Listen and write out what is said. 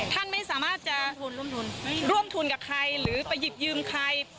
ท่านไม่สามารถจะร่วมทุนกับใครหรือไปหยิบยืมใคร